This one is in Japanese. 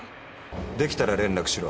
できたら連絡しろ。